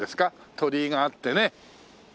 鳥居があってね。